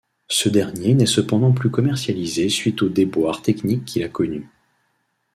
Ce dernier n'est cependant plus commercialisé suite aux déboires techniques qu'il a connus.